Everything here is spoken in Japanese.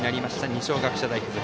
二松学舎大付属。